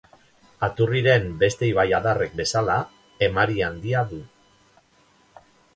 Aturriren beste ibaiadarrek bezala, emari handia du.